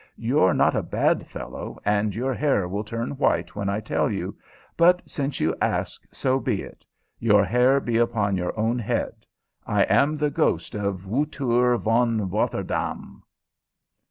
"You're not a bad fellow, and your hair will turn white when I tell you; but since you ask, so be it. Your hair be upon your own head. _I am the ghost of Wouter von Rotterdaam!